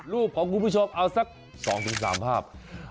รูปของคุณผู้ชมเอาสัก๒๓ภาพ